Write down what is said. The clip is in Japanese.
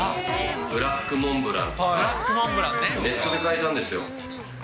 ブラックモンブランとか、ネットで買えるんですよ。